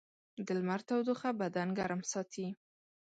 د لمر تودوخه بدن ګرم ساتي.